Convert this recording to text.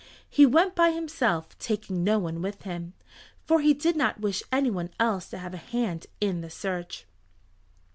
He went by himself, taking no one with him, for he did not wish anyone else to have a hand in the search.